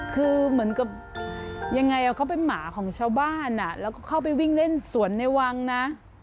คือเหมือนกับยังไงเขาเป็นหมาของชาวบ้านแล้วก็เข้าไปวิ่งเล่นสวนในวังนะ